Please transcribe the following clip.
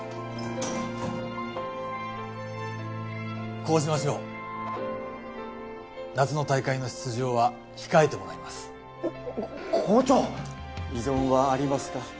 こうしましょう夏の大会の出場は控えてもらいます校長異存はありますか？